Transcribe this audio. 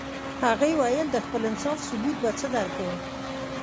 هغې ویل د خپل انصاف ثبوت به څه درکوم